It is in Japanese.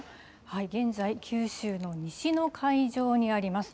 現在、九州の西の海上にあります。